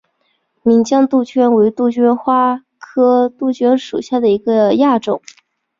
岷江杜鹃为杜鹃花科杜鹃属下的一个亚种。